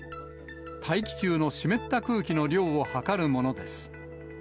大気中の湿った空気の量を測るものです。